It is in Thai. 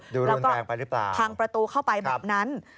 ดูลวนแรงไปหรือเปล่าครับแล้วก็ทางประตูเข้าไปแบบนั้น